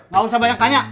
gak usah banyak tanya